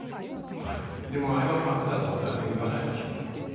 でもあれは、悪だとは誰も言わないでしょう。